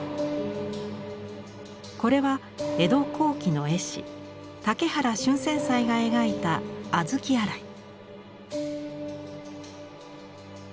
これは江戸後期の絵師竹原春泉斎が描いた「小豆あらい」。